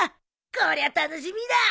こりゃ楽しみだ！